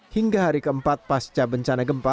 hingga hari keempat pasca bencana gempa